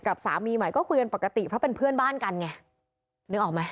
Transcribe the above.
สามีใหม่ก็คุยกันปกติเพราะเป็นเพื่อนบ้านกันไงนึกออกไหม